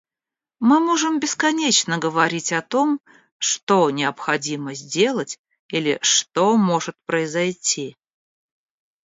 Мы можем бесконечно говорить о том, «что необходимо сделать» или «что может произойти».